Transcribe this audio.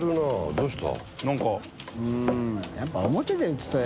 どうした？